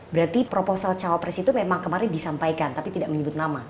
berarti proposal cawapres itu memang kemarin disampaikan tapi tidak menyebut nama